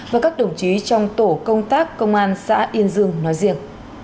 và các đồng chí trong tổ công tác công an xã yên dương nói riêng